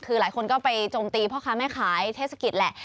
คือหลายคนก็ไปจมตีพ่อค้าแม่ขายเทศกิจแหละ